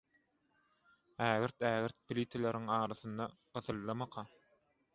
Ägirt-ägirt plitalaryň arasynda gysyldymyka?